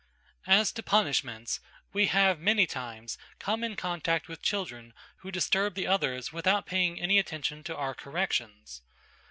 As to punishments, we have many times come in contact with children who disturbed the others without paying any attention to our corrections.